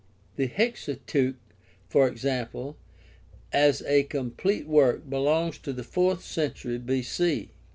The Hexateiich, for example, as a complete work belongs to the fourth century B.C.